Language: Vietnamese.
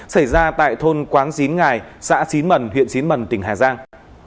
xảy ra tại thôn quán dín ngài xã xín mần huyện xín mần tỉnh hà giang